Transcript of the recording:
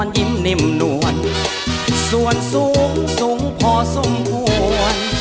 ยิ้มนิ่มนวดส่วนสูงสูงพอสมควร